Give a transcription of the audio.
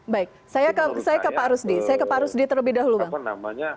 baik saya ke pak rusdi saya ke pak rusdi terlebih dahulu bang